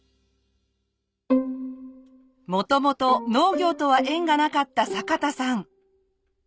元々農業とは縁がなかった坂田さん。